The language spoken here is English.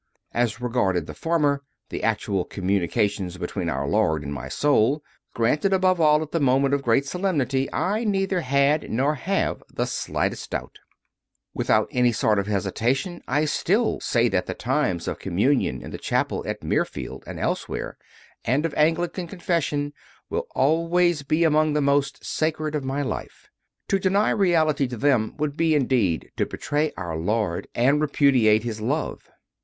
As regarded the former the actual communica tions between Our Lord and my soul granted above all at moments of great solemnity, I neither had nor have the slightest doubt. Without any sort 84 CONFESSIONS OF A CONVERT of hesitation I still say that the times of Commun ion in the chapel at Mirfield and elsewhere, and of Anglican Confession, will always be among the most sacred of my life; to deny reality to them would be indeed to betray Our Lord and repudiate His love.